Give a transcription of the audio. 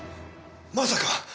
まさか。